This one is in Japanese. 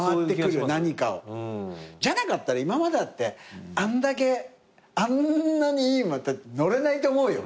じゃなかったら今までだってあんだけあんなにいい馬乗れないと思うよ。